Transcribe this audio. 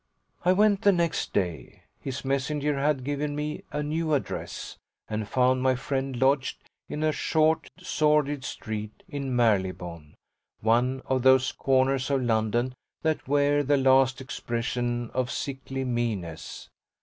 I went the next day his messenger had given me a new address and found my friend lodged in a short sordid street in Marylebone, one of those corners of London that wear the last expression of sickly meanness.